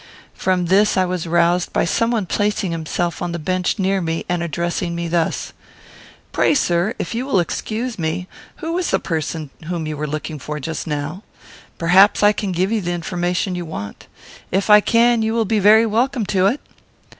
From this I was roused by some one placing himself on the bench near me and addressing me thus: "Pray, sir, if you will excuse me, who was the person whom you were looking for just now? Perhaps I can give you the information you want. If I can, you will be very welcome to it."